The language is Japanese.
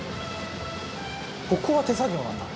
「ここは手作業なんだ」